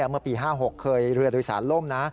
เมื่อปี๕๖เคยเรือโดยสารล่มนะ